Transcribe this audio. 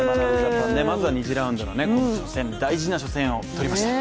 まずは２次ラウンドの大事な初戦を取りました。